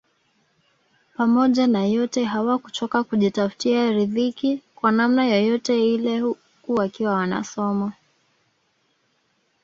Pamoja na yote hawakuchoka kujitafutia ridhiki kwa namna yoyote ile huku wakiwa wanasoma